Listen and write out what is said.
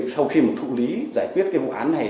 sau khi thụ lý giải quyết vụ án này